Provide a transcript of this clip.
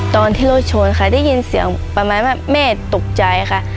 ตอนที่รถชนค่ะได้ยินเสียงประมาณว่าแม่ตกใจค่ะ